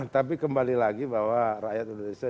tapi kembali lagi bahwa rakyat indonesia